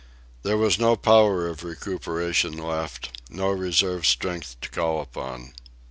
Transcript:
There was no power of recuperation left, no reserve strength to call upon.